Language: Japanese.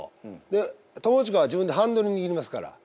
で友近は自分でハンドル握りますから。